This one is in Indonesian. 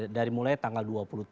dari mulai tanggal dua puluh tiga